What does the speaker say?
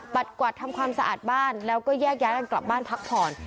กวัดทำความสะอาดบ้านแล้วก็แยกย้ายกันกลับบ้านพักผ่อน